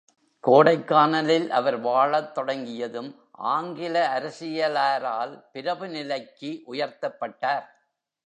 கோடைக்கானலில் அவர் வாழத் தொடங்கியதும், ஆங்கில அரசியலாரால் பிரபு நிலை க்கு உயர்த்தப்பட்டார்.